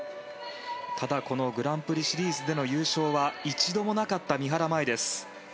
ただこのグランプリシリーズでの優勝は一度もなかった三原舞依です。